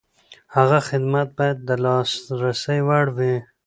خدمت باید د لاسرسي وړ وي.